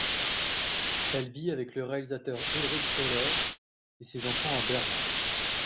Elle vit avec le réalisateur Ulrich Köhler et ses enfants à Berlin.